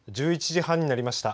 １１時半になりました。